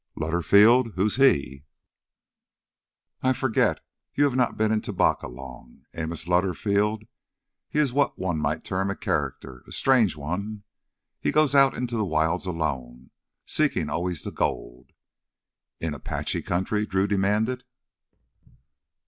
"Lutterfield? Who's he?" "I forget, you have not been in Tubacca long. Amos Lutterfield—he is what one might term a character, a strange one. He goes out into the wilds alone, seeking always the gold." "In Apache country?" Drew demanded.